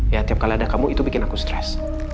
ya tiap kali ada kamu itu bikin aku stres